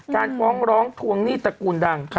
การฟ้องร้องทวงหนี้ตระกูลดัง